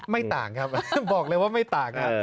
ไม่ต่างครับบอกเลยว่าไม่ต่าง